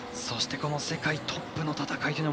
そしてこの世界トップの戦い